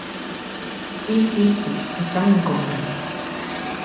Si, si, si, están en contra.